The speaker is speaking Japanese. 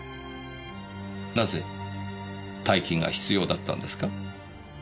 なぜ大金が必要だったんですか？